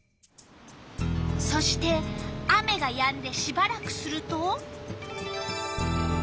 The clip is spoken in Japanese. そして雨がやんでしばらくすると。